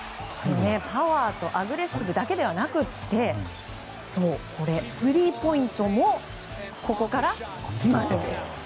パワーとアグレッシブだけではなくてスリーポイントもここから決まるんです！